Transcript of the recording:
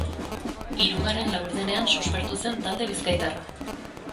Hirugarren laurdenean suspertu zen talde bizkaitarra.